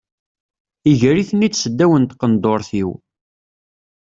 Iger-iten-id seddaw n tqendurt-iw.